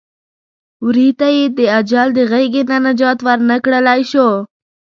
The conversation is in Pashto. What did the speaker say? وري ته یې د اجل د غېږې نه نجات ور نه کړلی شو.